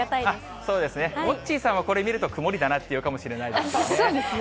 そうですね、モッチーさんはこれ見ると曇りだなって言うかもしれないですね。